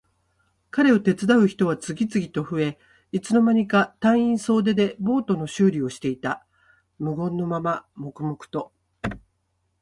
彼を手伝う人は次々と増え、いつの間にか隊員総出でボートの修理をしていた。無言のまま黙々と。